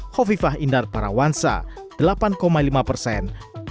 hovifah indar parawansa delapan lima persen